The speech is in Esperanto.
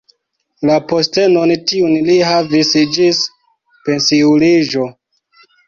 La postenon tiun li havis ĝis pensiuliĝo.